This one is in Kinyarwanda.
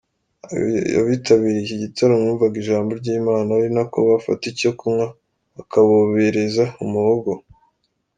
Abitabiriye iki gitaramo bumvaga ijambo ry’Imana ari nako bafata icyo kunywa bakabobereza umuhogo.